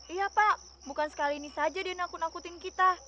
iya pak bukan sekali ini saja dia nakut nakutin kita